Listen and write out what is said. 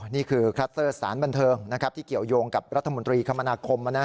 นี่คือคลัสเตอร์สารบันเทิงที่เกี่ยวยงกับรัฐมนตรีคมนาคม